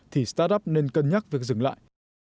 thì startup nên cân nhắc việc dừng lại